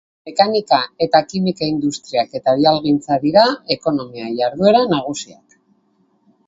Mekanika- eta kimika-industriak eta oihalgintza dira ekonomia-jarduera nagusiak.